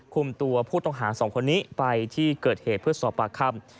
คุมตัวผู้ต้องหา๒คนนี้ไปที่เกิดเหตุเพื่อสอบปากคำ